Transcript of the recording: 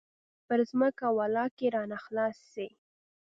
پر ځمکه ولله که رانه خلاص سي.